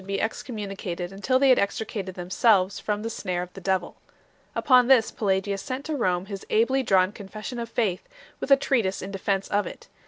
r Controversies on the Faith. 319 excommunicated until they had extricated themselves from the snare of the devil 1 . Upon this Pelagius sent to Rome his ably drawn Confession of Faith 2 , with a treatise in defence of it 3